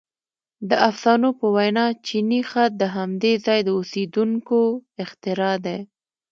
• د افسانو په وینا چیني خط د همدې ځای د اوسېدونکو اختراع دی.